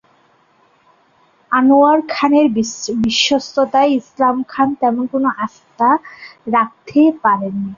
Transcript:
আনোয়ার খানের বিশ্বস্ততায় ইসলাম খান তেমন আস্থা রাখতে পারেন নি।